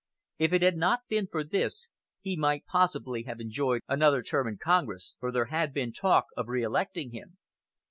If it had not been for this, he might possibly have enjoyed another term in Congress, for there had been talk of reelecting him.